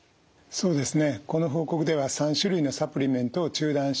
そうですね。